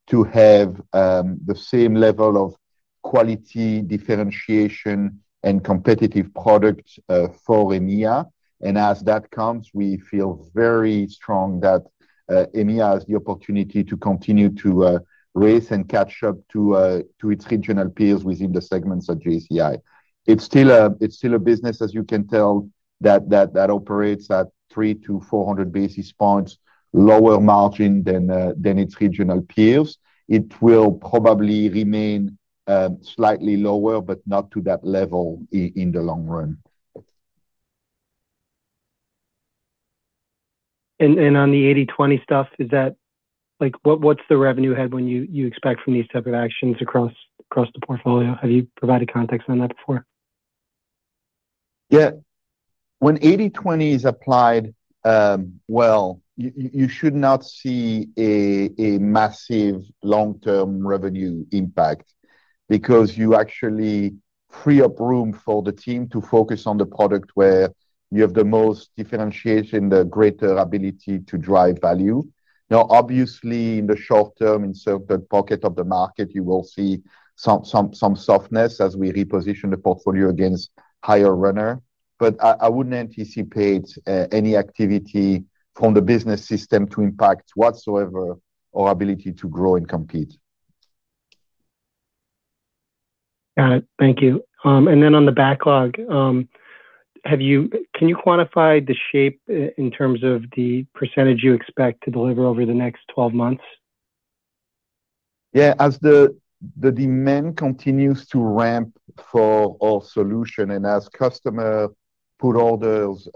to have the same level of quality, differentiation, and competitive product for EMEA. As that comes, we feel very strong that EMEA has the opportunity to continue to raise and catch up to its regional peers within the segments of JCI. It's still a business, as you can tell, that operates at 300-400 basis points lower margin than its regional peers. It will probably remain slightly lower, but not to that level in the long run. On the 80/20 stuff, is that Like, what's the revenue head when you expect from these type of actions across the portfolio? Have you provided context on that before? When 80/20 is applied, well, you should not see a massive long-term revenue impact because you actually free up room for the team to focus on the product where you have the most differentiation, the greater ability to drive value. Now, obviously, in the short term, in certain pocket of the market, you will see some softness as we reposition the portfolio against higher runner. But I wouldn't anticipate any activity from the business system to impact whatsoever our ability to grow and compete. Got it. Thank you. On the backlog, can you quantify the shape in terms of the percentage you expect to deliver over the next 12 months? Yeah. As the demand continues to ramp for our solution and as customer put orders,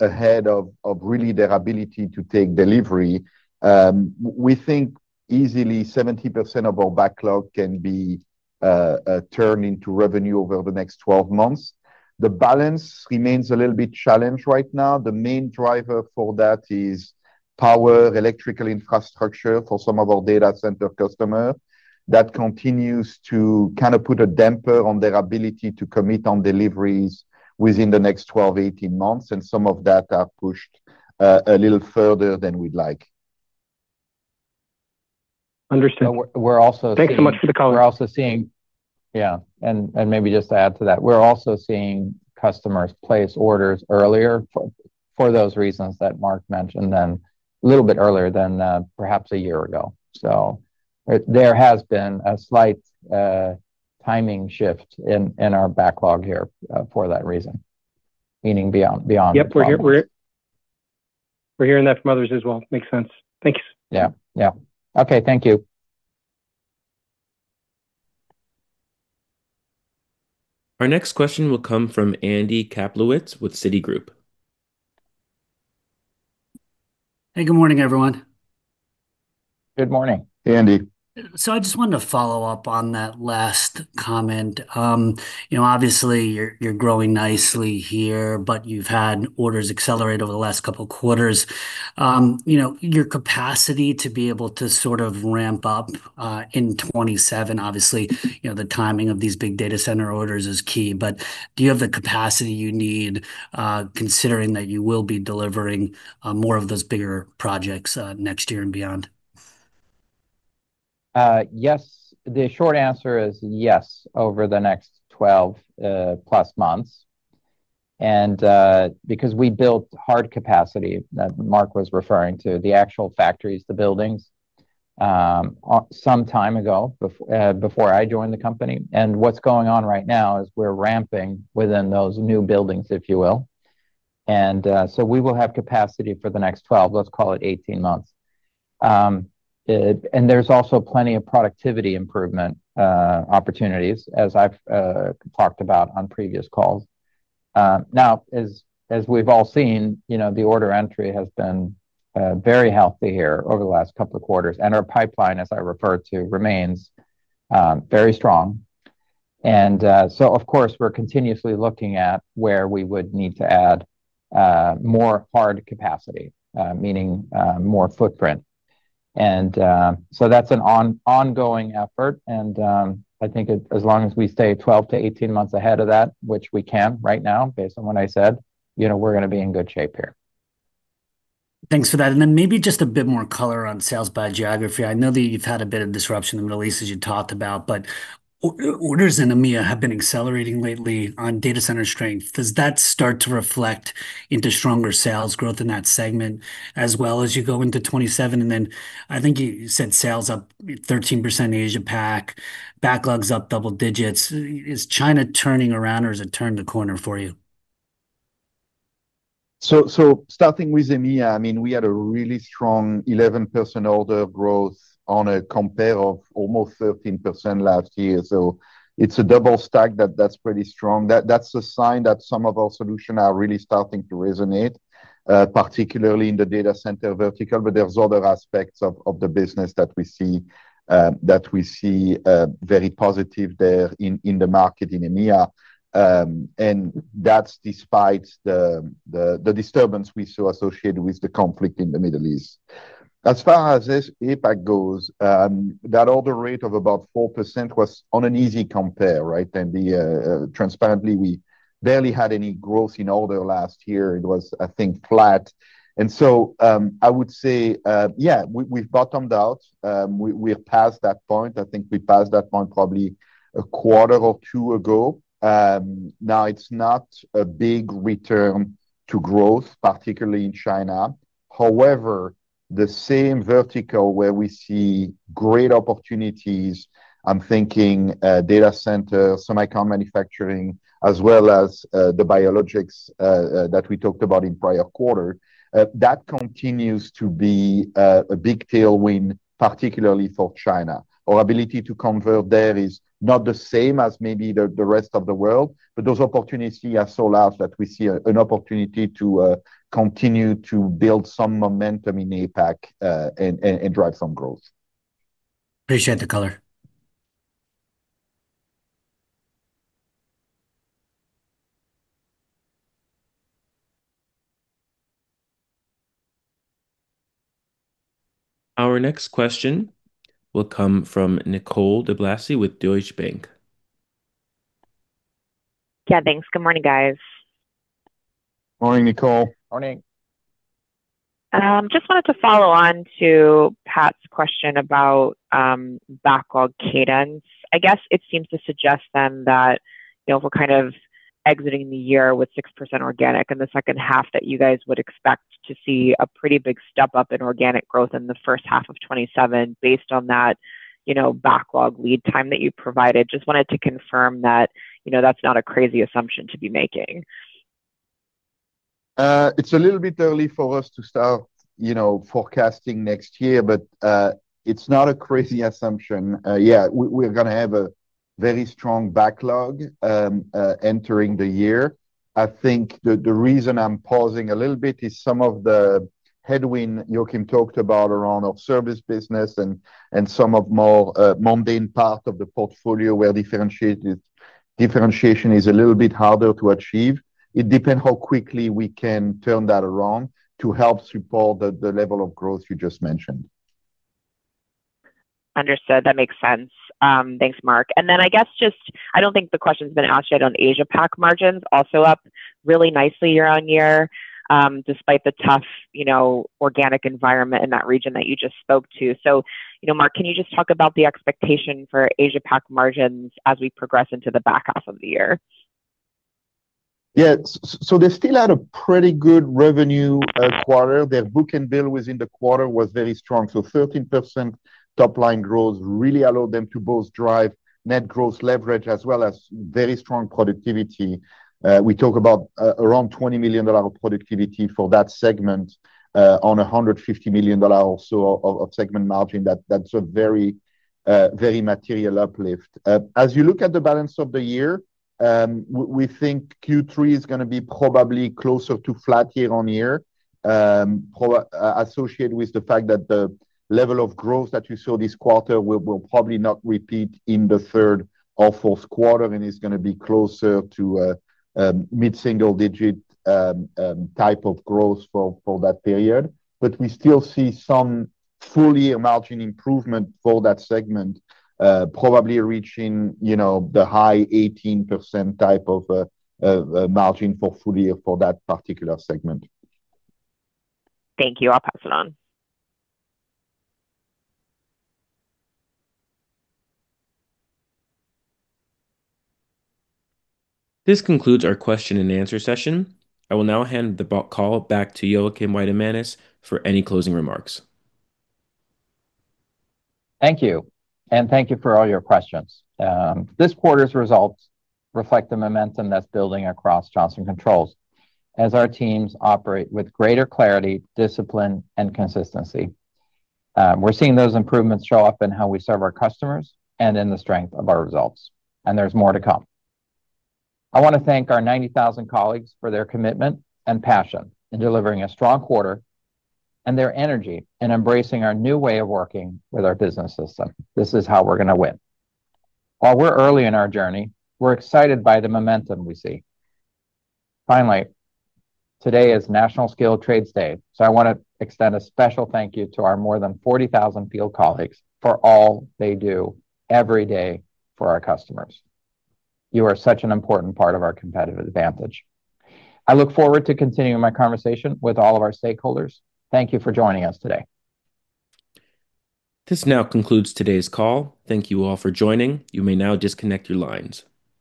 ahead of really their ability to take delivery, we think easily 70% of our backlog can be turned into revenue over the next 12 months. The balance remains a little bit challenged right now. The main driver for that is power electrical infrastructure for some of our data center customer that continues to kind of put a damper on their ability to commit on deliveries within the next 12, 18 months, and some of that are pushed a little further than we'd like. Understood. We're also seeing. Thanks so much for the call. We're also seeing. Maybe just to add to that, we're also seeing customers place orders earlier for those reasons that Marc mentioned, and a little bit earlier than perhaps a year ago. There has been a slight timing shift in our backlog here for that reason, meaning. Yep. We're hearing that from others as well. Makes sense. Thanks. Yeah. Yeah. Okay. Thank you. Our next question will come from Andy Kaplowitz with Citigroup. Hey, good morning, everyone. Good morning. Andy. I just wanted to follow up on that last comment. You know, obviously you're growing nicely here, but you've had orders accelerate over the last couple quarters. You know, your capacity to be able to sort of ramp up in 2027, obviously, you know, the timing of these big data center orders is key. Do you have the capacity you need, considering that you will be delivering more of those bigger projects next year and beyond? Yes. The short answer is yes, over the next 12 plus months. Because we built hard capacity that Marc was referring to, the actual factories, the buildings, some time ago before I joined the company. What's going on right now is we're ramping within those new buildings, if you will. We will have capacity for the next 12, let's call it 18 months. There's also plenty of productivity improvement opportunities as I've talked about on previous calls. Now, as we've all seen, you know, the order entry has been very healthy here over the last couple of quarters, and our pipeline, as I referred to, remains very strong. Of course, we're continuously looking at where we would need to add, more hard capacity, meaning, more footprint. That's an on-going effort. I think as long as we stay 12 to 18 months ahead of that, which we can right now, based on what I said, you know, we're gonna be in good shape here. Thanks for that. Maybe just a bit more color on sales by geography. I know that you've had a bit of disruption in the Middle East, as you talked about, but orders in EMEA have been accelerating lately on data center strength. Does that start to reflect into stronger sales growth in that segment as well as you go into 2027? I think you said sales up 13% in Asia PAC, backlogs up double digits. Is China turning around, or has it turned a corner for you? Starting with EMEA, I mean, we had a really strong 11% order growth on a compare of almost 13% last year. It's a double stack that's pretty strong. That's a sign that some of our solution are really starting to resonate, particularly in the data center vertical. There's other aspects of the business that we see very positive there in the market in EMEA. That's despite the disturbance we saw associated with the conflict in the Middle East. As far as APAC goes, that order rate of about 4% was on an easy compare, right? Transparently, we barely had any growth in order last year. It was, I think, flat. I would say we've bottomed out. We are past that point. I think we passed that point probably a quarter or two ago. It's not a big return to growth, particularly in China. The same vertical where we see great opportunities, I'm thinking data center, semicon manufacturing, as well as the biologics that we talked about in prior quarter, that continues to be a big tailwind, particularly for China. Our ability to convert there is not the same as maybe the rest of the world, but those opportunities here are so large that we see an opportunity to continue to build some momentum in APAC and drive some growth. Appreciate the color. Our next question will come from Nicole DeBlase with Deutsche Bank. Yeah, thanks. Good morning, guys. Morning, Nicole. Morning. Just wanted to follow on to Pat's question about backlog cadence. I guess it seems to suggest that, you know, if we're kind of exiting the year with 6% organic in the 2nd half, that you guys would expect to see a pretty big step up in organic growth in the first half of 2027 based on that, you know, backlog lead time that you provided. Just wanted to confirm that, you know, that's not a crazy assumption to be making. It's a little bit early for us to start, you know, forecasting next year. It's not a crazy assumption. We're gonna have a very strong backlog entering the year. I think the reason I'm pausing a little bit is some of the headwind Joakim talked about around our service business and some of more mundane part of the portfolio where differentiation is a little bit harder to achieve. It depends how quickly we can turn that around to help support the level of growth you just mentioned. Understood. That makes sense. Thanks, Marc. Then I guess just, I don't think the question's been asked yet on Asia PAC margins, also up really nicely year-on-year, despite the tough, you know, organic environment in that region that you just spoke to. You know, Marc, can you just talk about the expectation for Asia PAC margins as we progress into the back half of the year? Yeah. They still had a pretty good revenue quarter. Their book and bill within the quarter was very strong. So 13% top line growth really allowed them to both drive net growth leverage as well as very strong productivity. We talk about around $20 million of productivity for that segment on $150 million or so of segment margin. That's a very material uplift. As you look at the balance of the year, we think Q3 is gonna be probably closer to flat year-on-year associated with the fact that the level of growth that you saw this quarter will probably not repeat in the third or fourth quarter and is gonna be closer to mid-single digit type of growth for that period. We still see some full year margin improvement for that segment, probably reaching, you know, the high 18% type of margin for full year for that particular segment. Thank you. I'll pass it on. This concludes our question and answer session. I will now hand the call back to Joakim Weidemanis for any closing remarks. Thank you, and thank you for all your questions. This quarter's results reflect the momentum that's building across Johnson Controls as our teams operate with greater clarity, discipline, and consistency. We're seeing those improvements show up in how we serve our customers and in the strength of our results. There's more to come. I wanna thank our 90,000 colleagues for their commitment and passion in delivering a strong quarter, and their energy in embracing our new way of working with our business system. This is how we're gonna win. While we're early in our journey, we're excited by the momentum we see. Finally, today is National Skilled Trades Day. I wanna extend a special thank you to our more than 40,000 field colleagues for all they do every day for our customers. You are such an important part of our competitive advantage. I look forward to continuing my conversation with all of our stakeholders. Thank you for joining us today. This now concludes today's call. Thank you all for joining. You may now disconnect your lines.